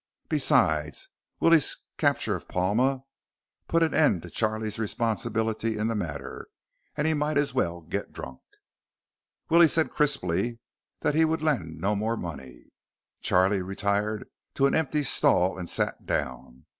Besides, Willie's capture of Palma put an end to Charlie's responsibility in the matter, and he might as well get drunk. Willie said crisply that he would lend no more money. Charlie retired to an empty stall and sat down.